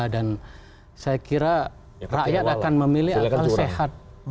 dan saya kira rakyat akan memilih akal sehat